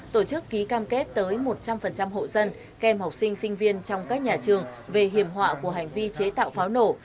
tổ chức ký cam kết tới một trăm linh hộ dân kèm học sinh sinh viên trong các nhà trường về hiểm họa của hành vi chế tạo pháo nổ